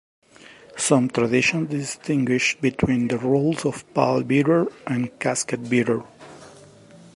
Some traditions distinguish between the roles of pallbearer and casket bearer.